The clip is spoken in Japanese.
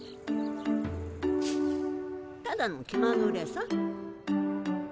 ただの気まぐれさ。